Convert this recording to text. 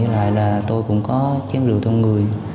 tại là tôi cũng có chiếc rượu trong người